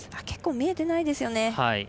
結構、見えてないですよね。